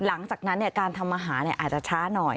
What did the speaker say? หลังจากนั้นการทำอาหารอาจจะช้าหน่อย